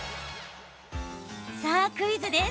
さあ、クイズです。